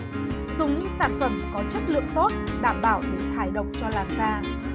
dùng những sản phẩm có chất lượng tốt đảm bảo để thải độc cho làn da